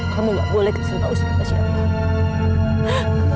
kamu gak boleh kesintau sama siapa